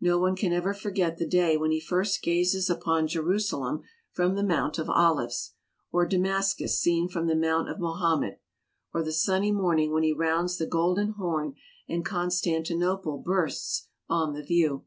No one can ever forget the day when he first gazes upon Jerusalem from the Mount of Olives ; or Damascus seen from the Mount of Mohammed ; or the sunny morning when he rounds the Golden Horn, and Constantinople bursts on the view.